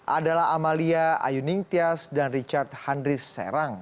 adalah amalia ayuningtyas dan richard handris serang